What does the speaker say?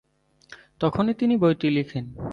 তখনই তিনি বইটি লিখেন।